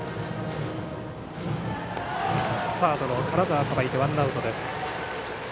サードの金沢がさばいてワンアウト。